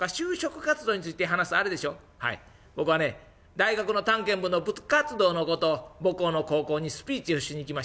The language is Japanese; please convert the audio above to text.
大学の探検部の部活動のことを母校の高校にスピーチをしに行きました。